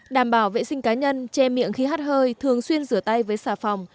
đảm bảo vệ sinh cá nhân che miệng khi hát hơi thường xuyên rửa tay với xà phòng